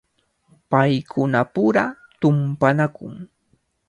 Paykunapura tumpanakun.